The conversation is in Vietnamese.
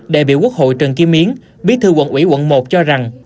đại biểu quốc hội trần kim yến bí thư quận ủy quận một cho rằng